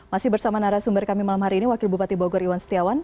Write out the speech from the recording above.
masih bersama narasumber kami malam hari ini wakil bupati bogor iwan setiawan